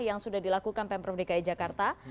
yang sudah dilakukan pemprov dki jakarta